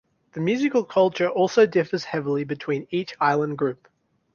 The musical culture also differs heavily between each island group.